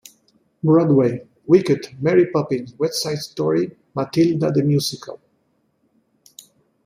Broadway: Wicked, Mary Poppins, West Side Story, Matilda the Musical.